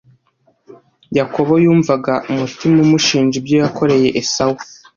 Yakobo yumvaga umutima umushinja ibyo yakoreye Esawu,